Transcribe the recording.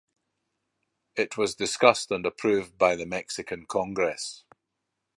It was discussed and approved by the Mexican Congress.